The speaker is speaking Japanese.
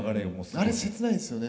あれ切ないですよね。